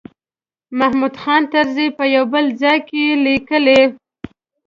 محمود خان طرزي په یو بل ځای کې لیکلي.